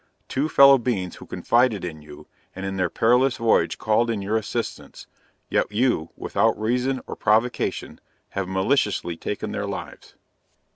Two fellow beings who confided in you, and in their perilous voyage called in your assistance, yet you, without reason or provocation, have maliciously taken their lives.